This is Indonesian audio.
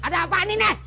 ada apaan ini nek